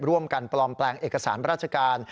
ร่วมกันปลอมแปลงเอกสารราชการ